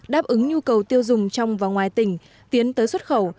đáp ứng nhu cầu tiêu dùng trong và ngoài tỉnh tiến tới xuất khẩu